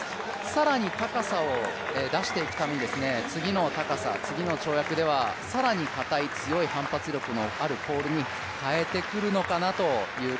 更に高さを出していくために次の高さ、次の跳躍では更にかたい、強い反発力のあるポールに変えてくるのかなと。